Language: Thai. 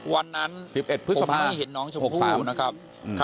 วันนั้นผมไม่เห็นน้องชมพู่นะครับ